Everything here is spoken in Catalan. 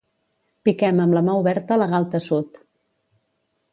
Piquem amb la mà oberta la galta sud.